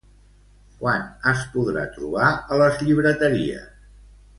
Quan es podrà trobar a les llibreteries?